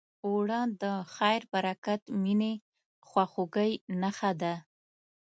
اوړه د خیر، برکت، مینې، خواخوږۍ نښه ده